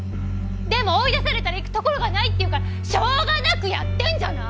でも追い出されたら行く所がないって言うからしょうがなくやってんじゃない！